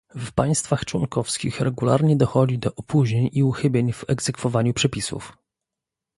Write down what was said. W państwach członkowskich regularnie dochodzi do opóźnień i uchybień w egzekwowaniu przepisów